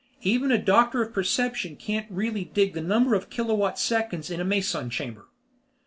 Even a Doctor Of Perception can't really dig the number of kilo watt seconds in a meson chamber.